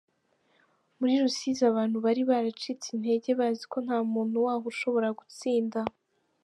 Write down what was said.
Muri Rusizi abantu bari baracitse intege bazi ko nta muntu waho ushobora gutsinda.